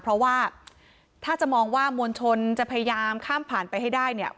เพราะว่าถ้าจะมองว่ามวลชนจะพยายามข้ามผ่านไปให้ได้เนี่ย